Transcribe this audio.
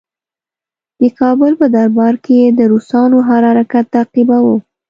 د کابل په دربار کې یې د روسانو هر حرکت تعقیباوه.